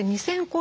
２，０００個。